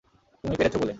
তুমি পেরেছো বলে।